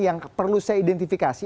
yang perlu saya identifikasi